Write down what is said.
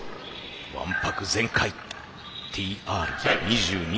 わんぱく全開ＴＲ２２。